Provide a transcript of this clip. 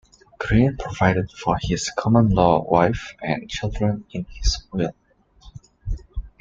Green provided for his common-law wife and children in his will.